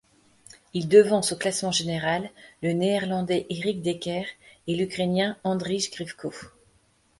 Il devance au classement général le Néerlandais Erik Dekker et l'Ukrainien Andriy Grivko.